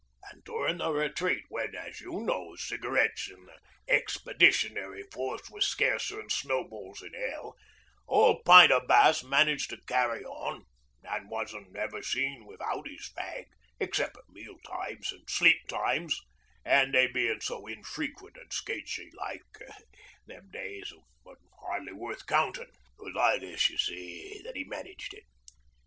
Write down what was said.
An' durin' the Retreat, when, as you knows, cigarettes in the Expeditionary Force was scarcer'n snowballs in 'ell, ole Pint o' Bass managed to carry on, an' wasn't never seen without 'is fag, excep' at meal times, an' sleep times, an' they bein' so infrequent an' sketchy like, them days, wasn't 'ardly worth countin'. 'Twas like this, see, that 'e managed it.